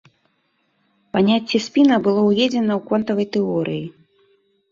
Паняцце спіна было ўведзена ў квантавай тэорыі.